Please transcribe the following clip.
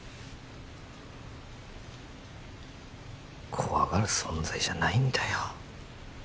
怖がる存在じゃないんだよ